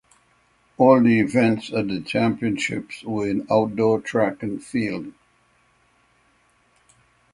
All the events at the championships were in outdoor track and field.